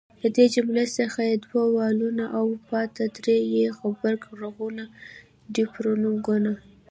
له دې جملې څخه ئې دوه واولونه او پاته درې ئې غبرګ ږغونه دیفتونګونه